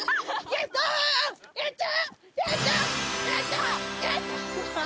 やった！